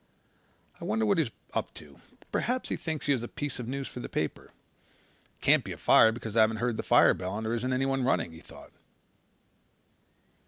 "I wonder what he's up to? Perhaps he thinks he has a piece of news for the paper. It can't be a fire because I haven't heard the fire bell and there isn't anyone running," he thought.